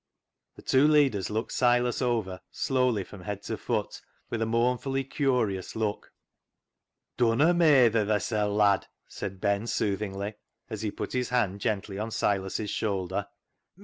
The two leaders looked Silas over slowly from head to foot with a mournfully curious look. " Dunna meyther thysel', lad," said Ben soothingly, as he put his hand gently on Silas' shoulder.